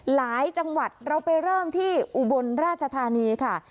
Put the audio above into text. หลายจังหวัดเราไปเริ่มที่อุบลราชธานีค่ะ